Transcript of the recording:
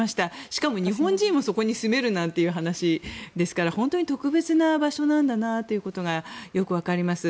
しかも、日本人もそこに住めるなんていう話ですから本当に特別な場所なんだなということがよくわかります。